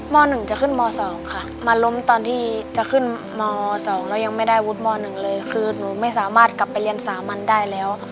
๑จะขึ้นม๒ค่ะมาล้มตอนที่จะขึ้นม๒แล้วยังไม่ได้วุฒิม๑เลยคือหนูไม่สามารถกลับไปเรียนสามัญได้แล้ว